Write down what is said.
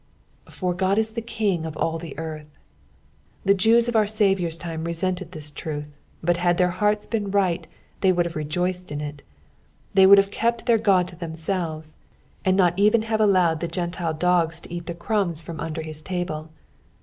t. "For Ood it tht Kitu/ <tf all the earth." The Jews of our Saviour's time resented this truth, but had their hearts been right they would have rejoiced in It. They would have kept their God to themselves, and not even have allowed the Gentile dogs to eat the crumbs from under his table.